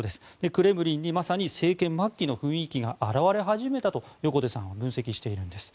クレムリンにまさに政権末期の雰囲気が表れ始めたと横手さんは分析しているんです。